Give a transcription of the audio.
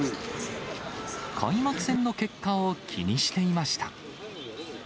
開幕戦の結果を気にしていました。